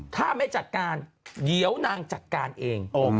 ถ้าไม่จัดการเดี๋ยวนางจัดการเอง